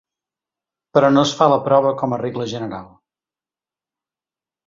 Però no es fa la prova com a regla general.